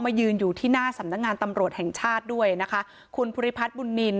ยืนอยู่ที่หน้าสำนักงานตำรวจแห่งชาติด้วยนะคะคุณภูริพัฒน์บุญนิน